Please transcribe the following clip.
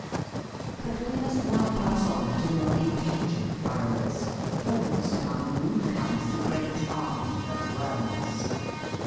But we must now pass on to more intelligent burrowers, foremost among whom comes the great army of worms.